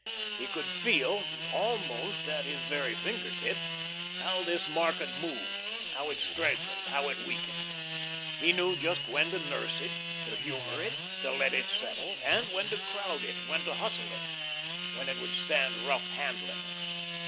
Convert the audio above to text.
He could feel almost at his very finger tips how this market moved, how it strengthened, how it weakened. He knew just when to nurse it, to humor it, to let it settle, and when to crowd it, when to hustle it, when it would stand rough handling.